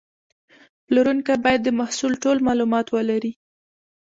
پلورونکی باید د محصول ټول معلومات ولري.